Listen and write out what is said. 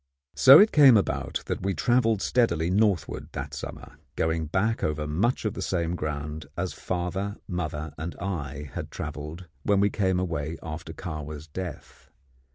So it came about that we travelled steadily northward that summer, going back over much of the same ground as father, mother, and I had travelled when we came away after Kahwa's death.